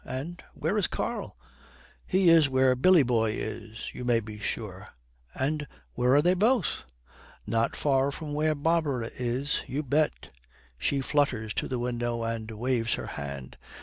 'And where is Karl?' 'He is where Billy boy is, you may be sure.' 'And where are they both?' 'Not far from where Barbara is, you bet.' She flutters to the window and waves her hand.